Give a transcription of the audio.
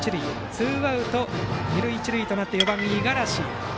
ツーアウト、二塁一塁となって４番の五十嵐。